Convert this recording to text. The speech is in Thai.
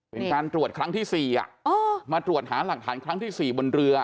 เป็นการตรวจครั้งที่๔มาตรวจหาหลักฐานครั้งที่๔บนเรือ